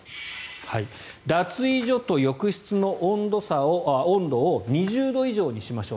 脱衣所と浴室の温度を２０度以上にしましょう。